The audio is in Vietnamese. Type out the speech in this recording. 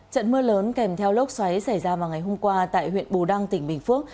trận mưa lớn kèm theo lốc xoáy xảy ra vào ngày hôm qua tại huyện bù đăng tỉnh bình phước